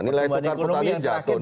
nilai tukar petani jatuh